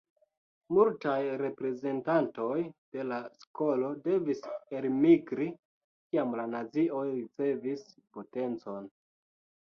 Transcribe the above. Multaj reprezentantoj de la skolo devis elmigri, kiam la nazioj ricevis potencon.